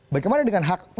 bagaimana dengan hak